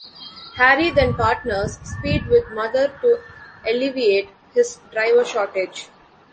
Harry then partners Speed with Mother to alleviate his driver shortage.